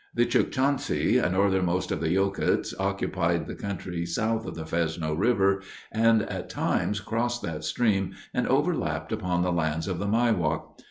The Chukchansi, northernmost of the Yokuts, occupied the country south of the Fresno River and at times crossed that stream and overlapped upon the lands of the Miwok.